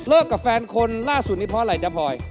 กับแฟนคนล่าสุดนี้เพราะอะไรจ๊ะพลอย